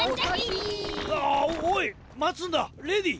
ああっおいまつんだレディー！